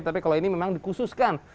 tapi kalau ini memang dikhususkan